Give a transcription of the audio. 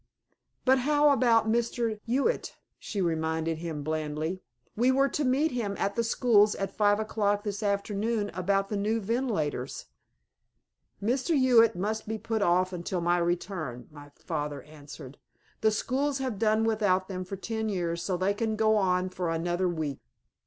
"But how about Mr. Hewitt?" she reminded him blandly. "We were to meet him at the schools at five o'clock this afternoon about the new ventilators." "Mr. Hewitt must be put off until my return," my father answered. "The schools have done without them for ten years so they can go on for another week.